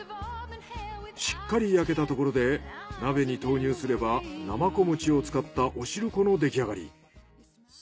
しっかり焼けたところで鍋に投入すればなまこ餅を使ったお汁粉の出来上がり。